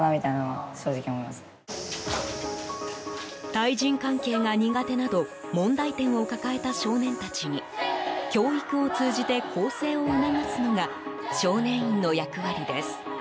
対人関係が苦手など問題点を抱えた少年たちに教育を通じて更生を促すのが少年院の役割です。